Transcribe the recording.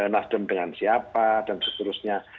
nasdem dengan siapa dan seterusnya